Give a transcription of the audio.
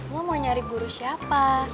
gue mau nyari guru siapa